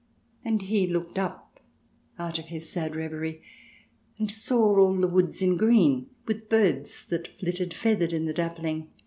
" And he looked up out of his sad reverie, And saw all the woods in green, With birds that flitted feathered in the dappling.